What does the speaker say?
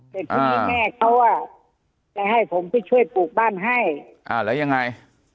แต่ทีนี้แม่เขาอ่ะจะให้ผมไปช่วยปลูกบ้านให้อ่าแล้วยังไง